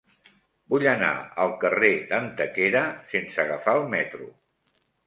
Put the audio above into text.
Vull anar al carrer d'Antequera sense agafar el metro.